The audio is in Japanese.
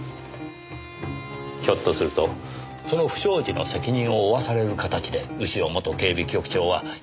ひょっとするとその不祥事の責任を負わされる形で潮元警備局長は依願退職扱いに。